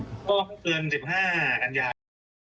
ก็เกินสิบห้ากันอย่าง